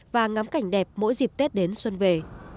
và ngắm cảnh đẹp mỗi dịp tết đến xuân về